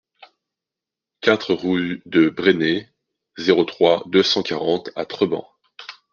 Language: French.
quatre rue de Bresnay, zéro trois, deux cent quarante à Treban